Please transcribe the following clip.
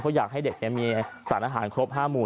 เพราะอยากให้เด็กมีสารอาหารครบ๕มูล